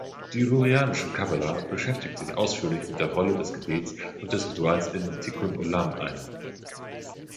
Die lurianische Kabbala beschäftigt sich ausführlich mit der Rolle des Gebets und des Rituals in „tikkun olam“ ein.